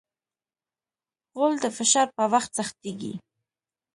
غول د فشار په وخت سختېږي.